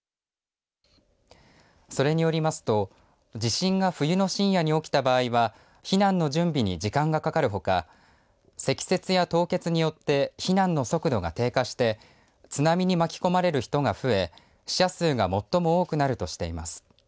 それによりますと地震が冬の深夜に起きた場合は避難の準備に時間がかかるほか積雪や凍結によって避難の速度が低下して津波に巻き込まれる人が増え死者数が最も多くなるとしています。